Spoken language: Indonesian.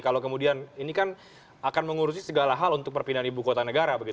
kalau kemudian ini kan akan mengurusi segala hal untuk perpindahan ibu kota negara